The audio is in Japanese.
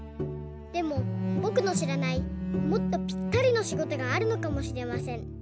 でもぼくのしらないもっとぴったりのしごとがあるのかもしれません。